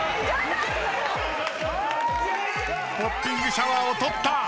ポッピングシャワーを取った。